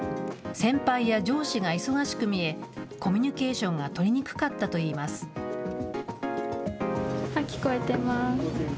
先輩や上司が忙しく見え、コミュニケーションが取りにくかったと聞こえてます。